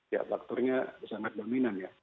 ya faktornya sangat dominan ya